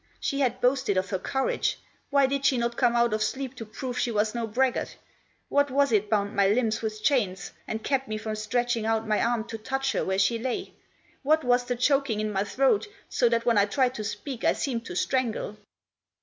She had boasted of her courage. Why did she not come out of sleep to prove she was no braggart ? What was it bound my limbs with chains, and kept me from stretching out my arm to touch her where she lay ? What was the choking in my throat, so that when I tried to speak I seemed to strangle